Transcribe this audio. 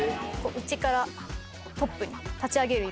内からトップに立ち上げるイメージで。